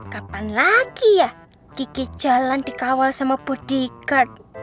kapan lagi ya kiki jalan dikawal sama bodyguard